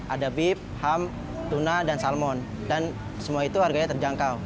ada bip ham tuna dan salmon dan semua itu harganya terjangkau